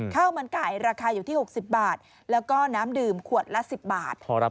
ข้าวมันไก่ราคาอยู่ที่๖๐บาทแล้วก็น้ำดื่มขวดละ๑๐บาท